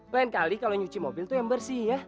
lain kali kalau nyuci mobil itu yang bersih ya